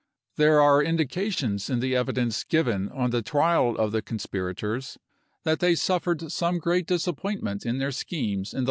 There are indications in the evidence given on the trial of the conspirators that they suffered some great disappointment in their schemes in the 1865.